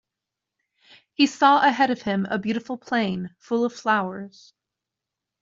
He saw ahead of him a beautiful plain full of flowers.